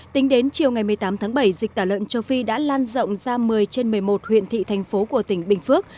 tính đến chiều ngày một mươi tám tháng bảy dịch tả lợn châu phi đã lan rộng ra một mươi trên một mươi một huyện thị thành phố của tỉnh bình phước